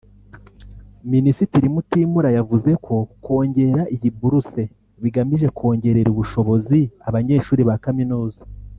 Minisitiri Mutimura yavuze ko kongera iyi buruse bigamije kongerera ubushobozi abanyeshuri ba Kaminuza